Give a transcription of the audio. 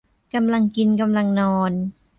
กำลังกินกำลังนอน